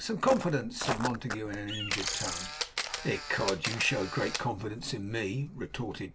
Some confidence!' said Montague in an injured tone. 'Ecod! You show great confidence in me,' retorted Jonas.